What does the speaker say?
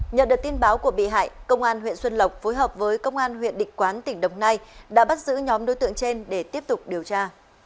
nhận được tin báo của bị hại công an huyện xuân lộc phối hợp với công an huyện định quán tỉnh đồng nai đã bắt giữ nhóm đối tượng trên để tiếp tục điều tra